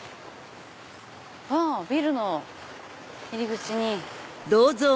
あっビルの入り口に。